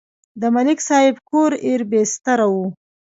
د ملک صاحب کور ایر بېستره و.